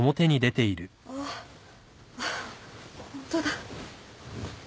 あっホントだ。